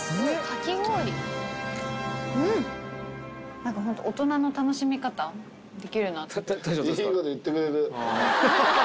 何かホント大人の楽しみ方できるなって。